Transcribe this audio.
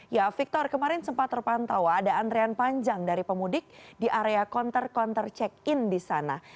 ya victor kemarin sempat terpantau ada antrian panjang dari pemudik di area konter konter check in di sana